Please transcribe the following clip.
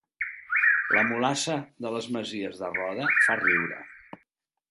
La mulassa de les Masies de Roda fa riure